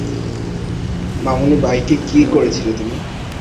মামুনি, বাইকে কী করছিলে তুমি?